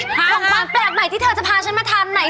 ของความแปลกใหม่ที่เธอจะพาฉันมาทานไหน